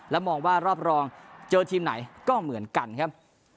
มองว่ารอบรองเจอทีมไหนก็เหมือนกันครับ